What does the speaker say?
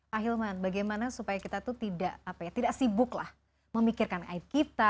pak hilman bagaimana supaya kita tuh tidak apa ya tidak sibuklah memikirkan aib kita